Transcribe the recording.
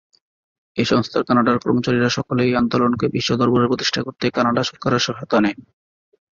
এই সংস্থার কানাডার কর্মচারীরা সকলে এই আন্দোলনকে বিশ্ব দরবারে প্রতিষ্ঠা করতে কানাডা সরকারের সহায়তা নেয়।